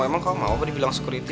emang kamu mau apa dibilang sekuriti